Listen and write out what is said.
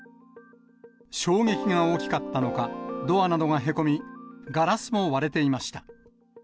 衝撃が大きかったのか、ドアなどがへこみ、ガラスも割れていました。